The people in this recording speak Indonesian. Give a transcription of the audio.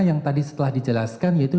yang tadi setelah dijelaskan yaitu